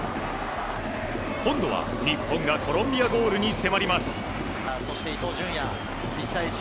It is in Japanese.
今度は日本がコロンビアゴールに迫ります。